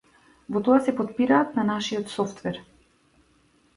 Во тоа се потпираат на нашиот софтвер.